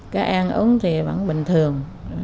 cái an ứng thì vẫn bình thường